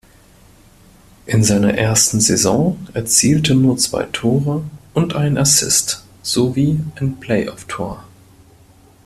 In seiner ersten Saison erzielte nur zwei Tore und einen Assist sowie ein Playoff-Tor.